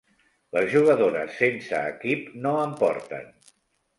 Les jugadores sense equip no en porten.